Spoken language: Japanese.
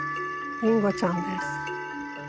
りんごちゃんです。